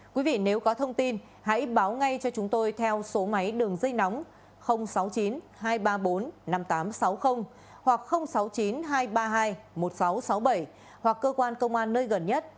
quý vị nếu có thông tin hãy báo ngay cho chúng tôi theo số máy đường dây nóng sáu mươi chín hai trăm ba mươi bốn năm nghìn tám trăm sáu mươi hoặc sáu mươi chín hai trăm ba mươi hai một nghìn sáu trăm sáu mươi bảy hoặc cơ quan công an nơi gần nhất